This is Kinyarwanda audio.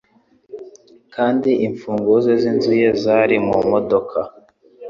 Kandi imfunguzo z'inzu ye zari mu modoka